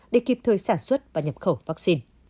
để kịp thời sản xuất và nhập khẩu vaccine